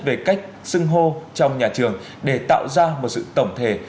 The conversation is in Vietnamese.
về cách sưng hô trong nhà trường để tạo ra một sự tổng thể